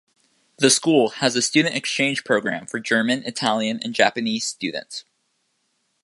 The school has a student exchange program for German, Italian and Japanese students.